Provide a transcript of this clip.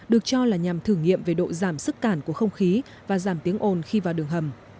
được cho là nhằm thử nghiệm về độ giảm sức cản của không khí và giảm tiếng ồn khi vào đường hầm